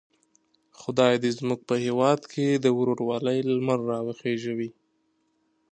خدای دې زموږ په هیواد کې د ورورولۍ لمر را وخېژوي.